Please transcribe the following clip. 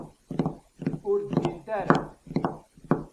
Ur ddint ara.